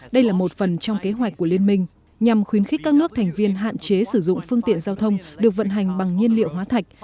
đây là một phần trong kế hoạch của liên minh nhằm khuyến khích các nước thành viên hạn chế sử dụng phương tiện giao thông được vận hành bằng nhiên liệu hóa thạch